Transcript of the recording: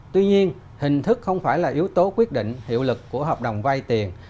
tuy nhiên hình thức không phải là yếu tố quyết định hiệu lực của hợp đồng vay tiền